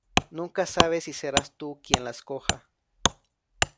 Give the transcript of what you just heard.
Nunca sabes si serás tú quien la escoja.